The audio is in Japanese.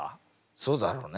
そうだろうね。